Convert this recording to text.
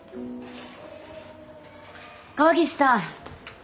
川岸さん。